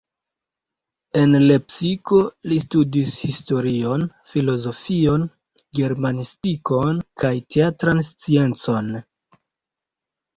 En Lepsiko li studis historion, filozofion, germanistikon kaj teatran sciencon.